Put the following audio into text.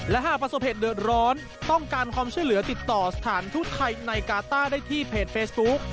และหากประสบเหตุเดือดร้อนต้องการความช่วยเหลือติดต่อสถานทูตไทยในกาต้าได้ที่เพจเฟซบุ๊ก